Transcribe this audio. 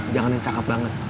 jangan yang cakep banget